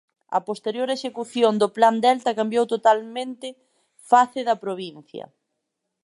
A posterior execución do Plan Delta cambiou totalmente face da provincia.